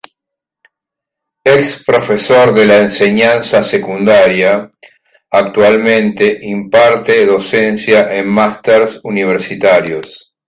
Ex-profesor en la enseñanza secundaria, actualmente imparte docencia en másters Universitarios.